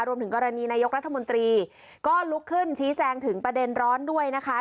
รวมถึงกรณีนายกรัฐมนตรีก็ลุกขึ้นชี้แจงถึงประเด็นร้อนด้วยนะคะ